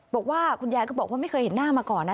บอกว่าคุณยายก็บอกว่าไม่เคยเห็นหน้ามาก่อนนะ